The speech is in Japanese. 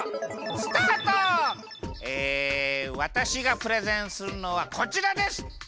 えわたしがプレゼンするのはこちらです！